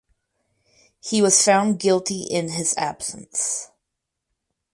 He was found guilty in his absence.